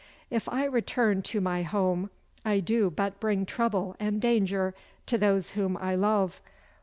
If I return to my home I do but bring trouble and danger to those whom I love.